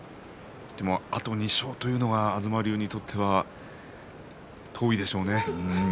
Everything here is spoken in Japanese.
あと２勝というのが東龍にとっては遠いでしょうね。